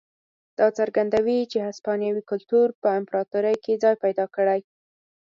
دا څرګندوي چې هسپانوي کلتور په امپراتورۍ کې ځای پیدا کړی.